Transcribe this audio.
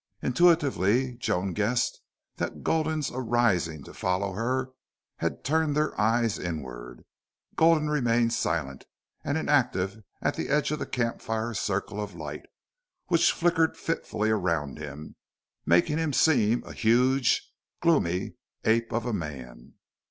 Intuitively Joan guessed that Gulden's arising to follow her had turned their eyes inward. Gulden remained silent and inactive at the edge of the camp fire circle of light, which flickered fitfully around him, making him seem a huge, gloomy ape of a man.